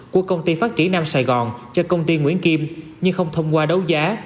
của công ty phát triển nam sài gòn cho công ty nguyễn kim nhưng không thông qua đấu giá